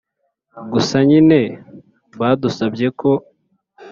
gusa nyine badusabye ko